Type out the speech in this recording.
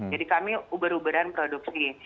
jadi kami uber uberan produksi